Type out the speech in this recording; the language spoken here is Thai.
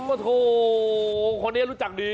โอ้โหคนนี้รู้จักดี